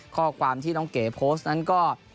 ข้อความที่น้องเก๋โพสต์นั้นก็